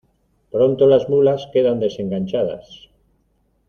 Pronto las mulas quedan desenganchadas.